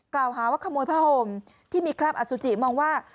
กล่าวหาว่าขโมยผ้าห่มที่มีคราบอสุจิมองว่า